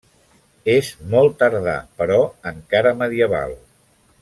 És molt tardà, però encara medieval.